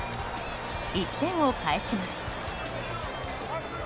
１点を返します。